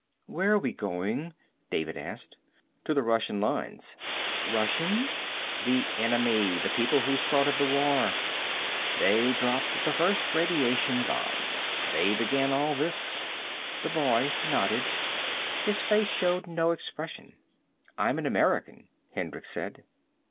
"Where are we going?" David asked. "To the Russian lines." "Russian?" "The enemy. The people who started the war. They dropped the first radiation bombs. They began all this." The boy nodded. His face showed no expression. "I'm an American," Hendricks said.